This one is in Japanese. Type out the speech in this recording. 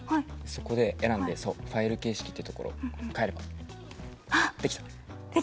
そこで選んでそうファイル形式ってところを変えればできたね？